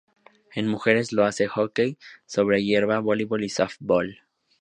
En mujeres, lo hace en Hockey sobre hierba, Voleibol, y Sóftbol.